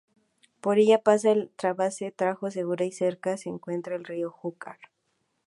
Por ella pasa el trasvase Tajo-Segura y cerca se encuentra el río Júcar.